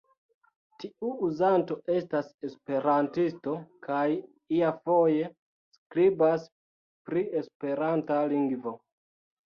Tiu uzanto estas esperantisto kaj iafoje skribas pri esperanta lingvo.